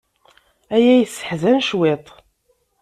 Aya yesseḥzan cwiṭ.